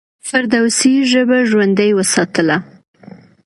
فردوسي ژبه ژوندۍ وساتله.